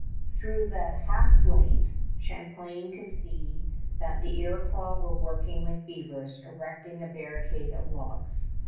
Through the half light Champlain could see that the Iroquois were working like beavers erecting a barricade of logs.